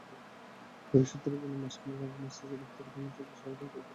পারিবারিক সূত্র জানায়, মাস খানেক আগে মস্তিষ্কে রক্তক্ষরণে ফজল শাহাবুদ্দীন গুরুতর অসুস্থ হয়েছিলেন।